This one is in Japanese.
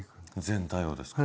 全体をですか。